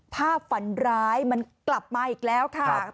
ฝันร้ายมันกลับมาอีกแล้วค่ะ